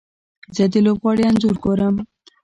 زه د لوبغاړي انځور ګورم.